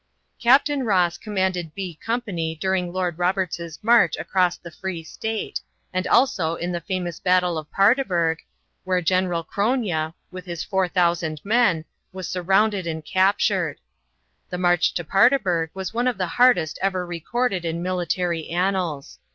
Capt. Ross commanded "B" Company during Lord Roberts' march across the Free State, and also in the famous battle of Paardeberg, where Gen. Cronje, with his 4,000 men, was surrounded and captured. The march to Paardeberg was one of the hardest ever recorded in military annals.